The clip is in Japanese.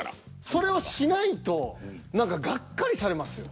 それをしないと何かがっかりされますよ。